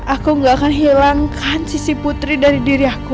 aku gak akan hilangkan sisi putri dari diri aku